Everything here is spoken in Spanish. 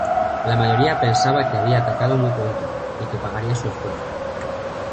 La mayoría pensaba que había atacado muy pronto y que pagaría su esfuerzo.